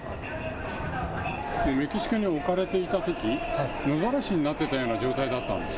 メキシコに置かれていたとき野ざらしになっていたような状態だったんです。